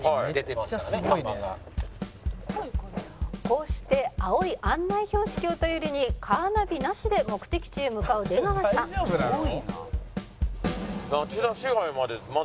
「こうして青い案内標識を頼りにカーナビなしで目的地へ向かう出川さん」